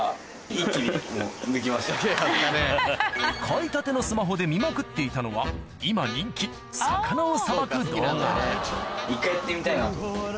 買いたてのスマホで見まくっていたのは今人気魚をさばく動画